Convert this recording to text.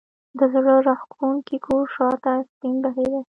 د زړه راکښونکي کور شا ته سیند بهېده.